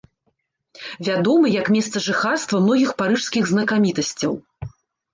Вядомы як месца жыхарства многіх парыжскіх знакамітасцяў.